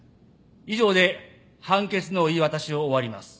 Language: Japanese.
以上で判決の言い渡しを終わります